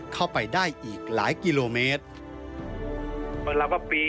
เข้าไปได้อีกหลายกิโลเมตร